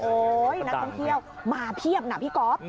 นักท่องเที่ยวมาเพียบนะพี่ก๊อฟ